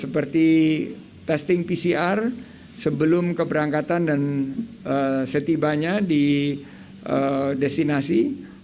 seperti testing pcr sebelum keberangkatan dan setibanya di destinasi